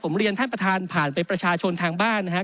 ผมเรียนท่านประธานผ่านไปประชาชนทางบ้านนะครับ